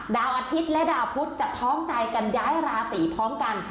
ดาวอาทิตย์และดาวพุธจะพร้อมใจกันย้ายราศีพร้อมกัน